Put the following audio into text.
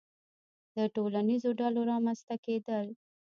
• د ټولنیزو ډلو رامنځته کېدل.